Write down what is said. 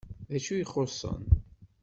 Dacu i ixuṣṣen?